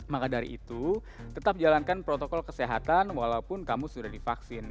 maka dari itu tetap jalankan protokol kesehatan walaupun kamu sudah divaksin